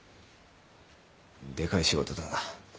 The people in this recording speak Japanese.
でかい仕事だな。